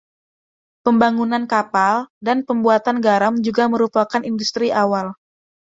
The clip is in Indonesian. Pembangunan kapal dan pembuatan garam juga merupakan industri awal.